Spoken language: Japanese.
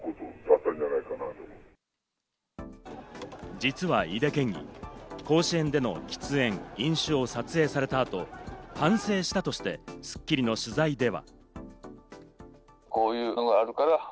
実は井手県議、甲子園での喫煙・飲酒を撮影されたあと反省したとして『スッキリ』の取材では。